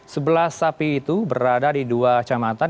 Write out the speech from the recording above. sebelas sapi itu berada di dua kecamatan